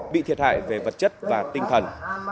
bị thiệt hại về vật chất và tinh thần